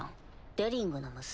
デリングの娘。